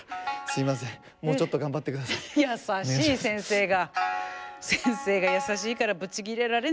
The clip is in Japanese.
やさしい先生が。